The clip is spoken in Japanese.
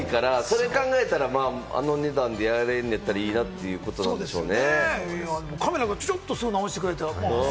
それ考えたら、あの値段でやれんねやったら、いいということでしょうね。